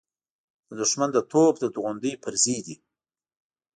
د دښمن د توپ د توغندۍ پرزې دي.